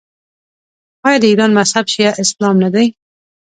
آیا د ایران مذهب شیعه اسلام نه دی؟